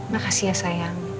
makasih ya sayang